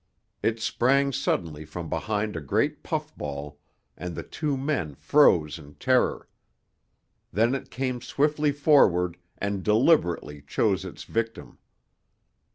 It sprang suddenly from behind a great puff ball, and the two men froze in terror. Then it came swiftly forward and deliberately chose its victim.